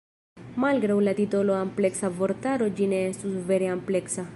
Malgraŭ la titolo "ampleksa vortaro" ĝi ne estus vere ampleksa.